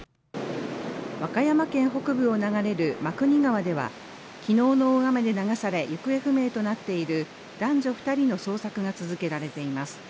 和歌山県北部を流れる真国川では昨日の大雨で流され行方不明となっている男女２人の捜索が続けられています